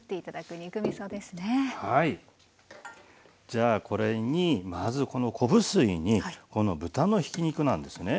じゃあこれにまずこの昆布水にこの豚のひき肉なんですね。